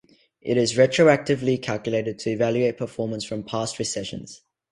It is retroactively calculated to evaluate performance from past recessions.